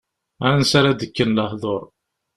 Ansi ara d-kken lehdur!